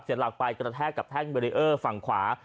หลักไปกระแทกกับแท่งเบรีเออร์ฝั่งขวา